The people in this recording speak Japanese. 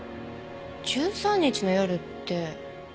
１３日の夜って。